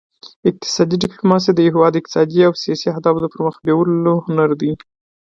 اقتصادي ډیپلوماسي د یو هیواد اقتصادي او سیاسي اهدافو پرمخ بیولو هنر دی